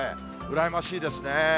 羨ましいですね。